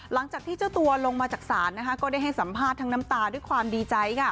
หลังจากที่เจ้าตัวลงมาจากศาลก็ได้ให้สัมภาษณ์ทั้งน้ำตาด้วยความดีใจ